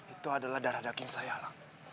itu adalah darah daging saya alam